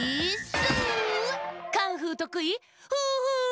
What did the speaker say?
カンフーとくい。